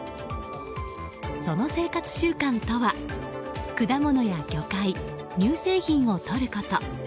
その生活習慣とは果物や魚介、乳製品をとること。